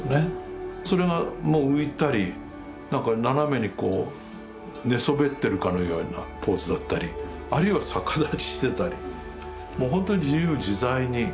それがもう浮いたりなんか斜めにこう寝そべってるかのようなポーズだったりあるいは逆立ちしてたりもうほんとに自由自在になってきますよね。